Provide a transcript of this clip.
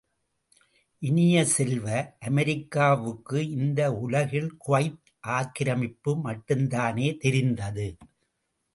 இனிய செல்வ, அமெரிக்காவுக்கு இந்த உலகில் குவைத் ஆக்கிரமிப்பு மட்டுந்தானே தெரிந்தது.